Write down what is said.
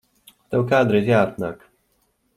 Tev kādreiz jāatnāk.